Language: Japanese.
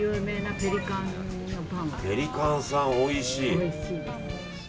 ペリカンさん、おいしい！